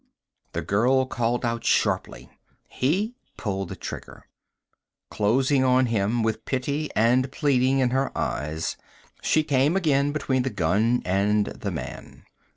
The girl called out sharply. He pulled the trigger. Closing on him with pity and pleading in her eyes, she came again between the gun and the man.